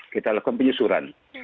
kita lakukan penyusuran